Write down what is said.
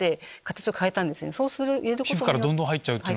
皮膚からどんどん入っちゃう。